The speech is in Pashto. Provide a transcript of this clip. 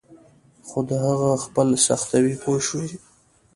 خو د هغه ځپل سختوي پوه شوې!.